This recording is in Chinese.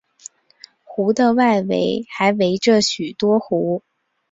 湖的外围还围着许多湖。